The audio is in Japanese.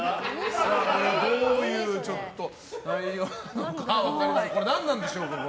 どういう内容なのか分かりませんが何なんでしょうか。